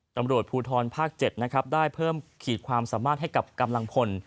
ตำรวจภูทรภาค๗นะครับได้เพิ่มขีดความสามารถให้กับกำลังพล